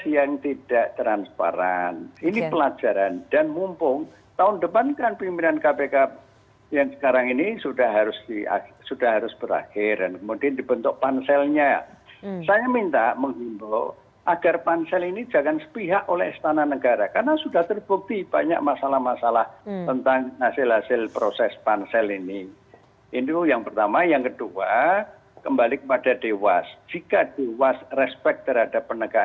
yang dilakukan oleh saudari lili pintaulisireka